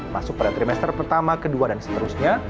masuk pada trimester pertama kedua dan seterusnya